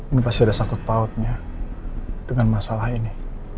ini pasti ada sangkut pautnya dengan masalah ini